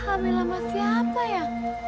ambilah mafia apa ya